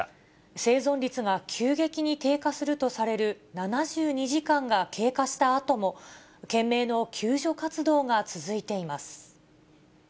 生存率が急激に低下するとされる７２時間が経過したあとも、懸命の救助活動が続いています。